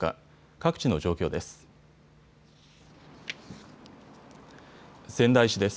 各地の状況です。